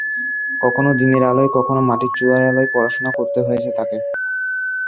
কখনো দিনের আলোয়, কখনো মাটির চুলার আলোয় পড়াশোনা করতে হয়েছে তাকে।